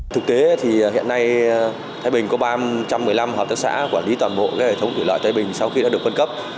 thực tế thì hiện nay thái bình có ba trăm một mươi năm hợp tác xã quản lý toàn bộ hệ thống thủy lợi tây bình sau khi đã được phân cấp